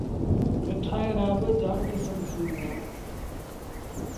ميݩوهيݩ رآ با جآم ڪسم ٿئيٚݩ دآ۔